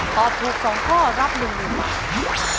ตอบถูก๒ข้อรับ๑๐๐๐บาท